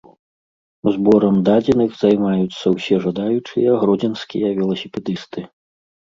Зборам дадзеных займаюцца ўсе жадаючыя гродзенскія веласіпедысты.